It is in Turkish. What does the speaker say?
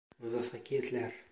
Muvaffakiyetler!